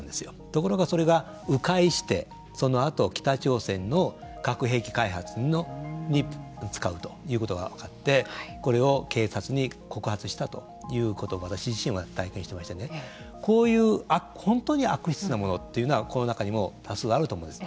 ところが、それがう回してそのあと、北朝鮮の核兵器開発に使うということが分かってこれを警察に告発したということを私自身は体験していましてこういう本当に悪質なものというのはこの中にも多数あると思うんです。